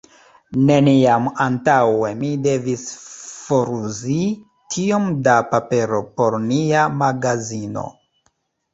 Neniam antaŭe mi devis foruzi tiom da papero por nia magazino.